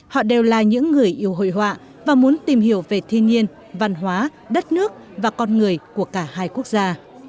họ đều là những người yêu hội họa và muốn tìm hiểu về thiên nhiên văn hóa đất nước và con người của cả hai quốc gia